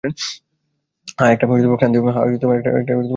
হ্যাঁ, একটা ক্রান্তীয় দ্বীপে কাটাবো।